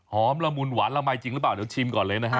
ละมุนหวานละมัยจริงหรือเปล่าเดี๋ยวชิมก่อนเลยนะฮะ